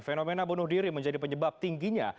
fenomena bunuh diri menjadi penyebab tingginya